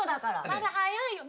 まだ早いよ。